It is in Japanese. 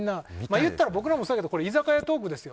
言ったら僕らもそうやけどこれ居酒屋トークですよ。